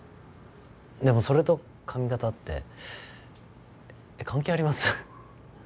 でもそれと髪形ってえっ関係あります？